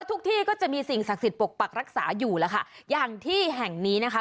ที่ก็จะมีสิ่งศักดิ์สิทธิปกปักรักษาอยู่แล้วค่ะอย่างที่แห่งนี้นะคะ